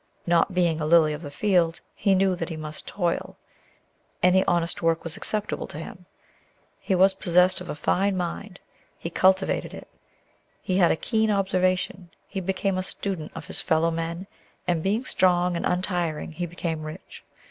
Not being a lily of the field, he knew that he must toil; any honest work was acceptable to him. He was possessed of a fine mind; he cultivated it. He had a keen observation; he became a student of his fellow men; and being strong and untiring, he became rich.